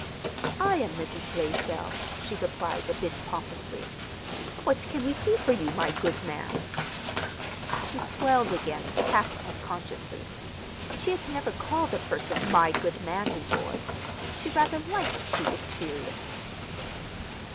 "I am Mrs. Blaisdell," she replied a bit pompously. "What can we do for you, my good man?" She swelled again, half unconsciously. She had never called a person "my good man" before. She rather liked the experience.